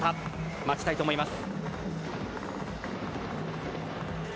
待ちたいと思います。